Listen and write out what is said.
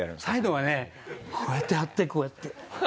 サイドはねこうやって貼ってこうやって。